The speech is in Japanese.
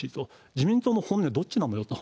自民党の本音はどっちなんだよと。